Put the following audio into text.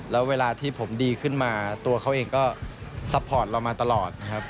แล้วเวลาที่ผมดีขึ้นมาตัวเขาเองก็ซัพพอร์ตเรามาตลอดนะครับ